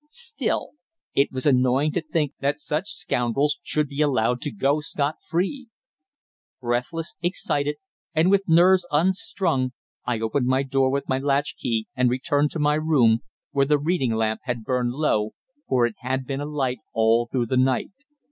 Still, it was annoying to think that such scoundrels should be allowed to go scot free. Breathless, excited, and with nerves unstrung, I opened my door with my latch key and returned to my room, where the reading lamp had burned low, for it had been alight all through the night.